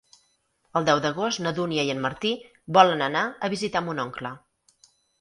El deu d'agost na Dúnia i en Martí volen anar a visitar mon oncle.